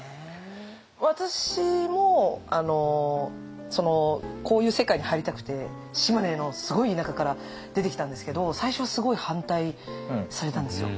私もこういう世界に入りたくて島根のすごい田舎から出てきたんですけど最初はすごい反対されたんですよ。